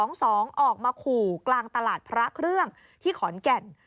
ออกมาขู่กลางตลาดพระเครื่องที่ขอนแก่น